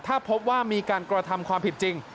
ถ้าพบว่ามีการกระทำความผิดจริง